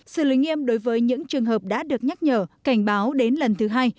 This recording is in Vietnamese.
xử lý nghiêm đối với những trường hợp đã được nhắc nhở cảnh báo đến lần thứ hai